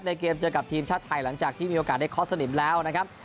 เกมเจอกับทีมชาติไทยหลังจากที่มีโอกาสได้เคาะสนิมแล้วนะครับ